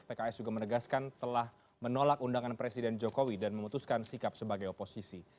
pks juga menegaskan telah menolak undangan presiden jokowi dan memutuskan sikap sebagai oposisi